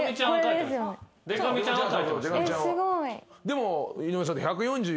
でも井上さん。